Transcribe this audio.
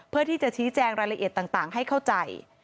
เพื่อที่จะชี้แจงรายละเอียดต่างให้เข้าใจ